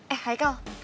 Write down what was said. eh hai kel